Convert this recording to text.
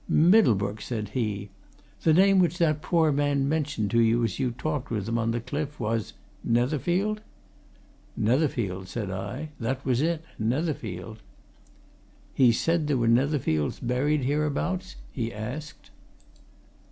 "Middlebrook!" said he, "the name which that poor man mentioned to you as you talked with him on the cliff was Netherfield?" "Netherfield," said I. "That was it Netherfield." "He said there were Netherfields buried hereabouts?" he asked.